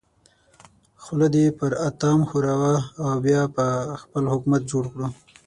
خوله دې پر اتام ښوروه او بیا به خپل حکومت جوړ کړو.